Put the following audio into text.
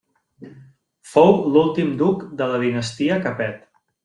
Fou l'últim duc de la Dinastia Capet.